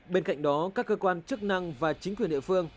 bên cạnh đó các cơ quan chức năng và chính quyền địa phương